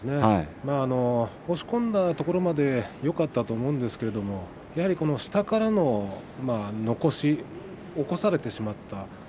押し込んだところまではよかったと思うんですがやはり下からの起こし起こされてしまった。